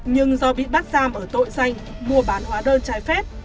nhưng do bị bắt giam ở tội danh mua bán hóa đơn trái phép